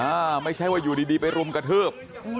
ไม่ใช่ว่าอยู่ดีดีไปรุมกระทืบ